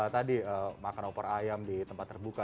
tadi makan opor ayam di tempat terbuka